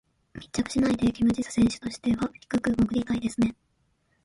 密着しないでキム・ジス選手としては低く潜りたいですね。